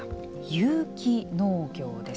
有機農業です。